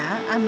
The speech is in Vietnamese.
vào đây khỏe